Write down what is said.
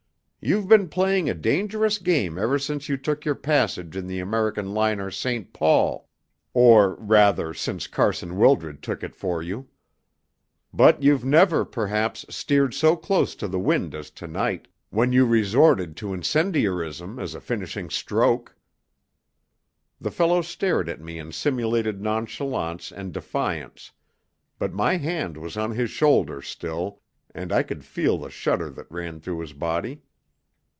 "You've been playing a dangerous game ever since you took your passage in the American liner St. Paul (or, rather, since Carson Wildred took it for you), but you've never, perhaps, steered so close to the wind as to night, when you resorted to incendiarism as a finishing stroke." The fellow stared at me in simulated nonchalance and defiance, but my hand was on his shoulder still, and I could feel the shudder that ran through his body.